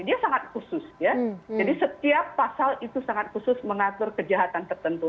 dia sangat khusus ya jadi setiap pasal itu sangat khusus mengatur kejahatan tertentu